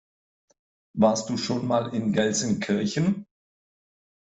Warst du schon mal in Gelsenkirchen?